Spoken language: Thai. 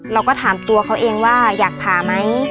เราก็ถามตัวเขาเองว่าอยากผ่าไหม